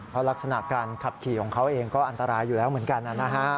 เพราะลักษณะการขับขี่ของเขาเองก็อันตรายอยู่แล้วเหมือนกันนะฮะ